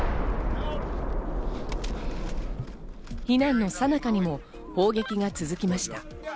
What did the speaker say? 避難の最中にも砲撃が続きました。